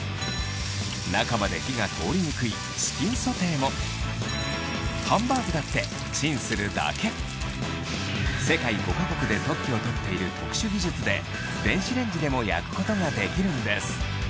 中まで火が通りにくいハンバーグだってチンするだけを取っている特殊技術で電子レンジでも焼くことができるんです